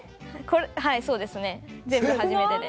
はいそうですね全部初めてで。